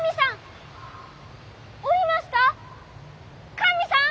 神さん！